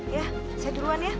ya saya duluan ya